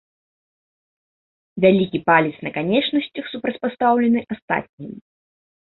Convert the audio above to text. Вялікі палец на канечнасцях супрацьпастаўлены астатнім.